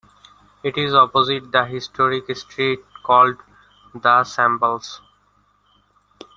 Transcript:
It is opposite the historic street called The Shambles.